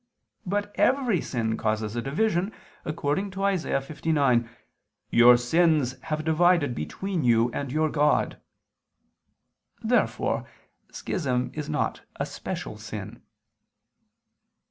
But every sin causes a division, according to Isa. 59: "Your sins have divided between you and your God." Therefore schism is not a special sin.